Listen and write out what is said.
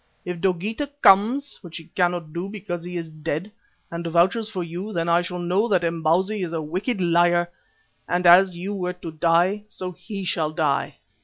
If Dogeetah comes, which he cannot do because he is dead, and vouches for you, then I shall know that Imbozwi is a wicked liar, and as you were to die, so he shall die."